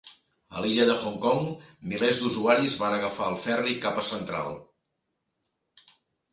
A l'illa de Hong Kong, milers de usuaris van agafar el ferri cap a Central.